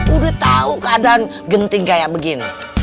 udah tahu keadaan genting kayak begini